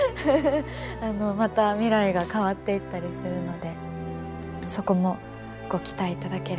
あのまた未来が変わっていったりするのでそこもご期待いただければと思います。